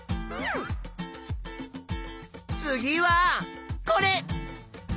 次はこれ！